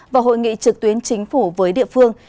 và hội nghị trực tuyến chính phủ với địa phương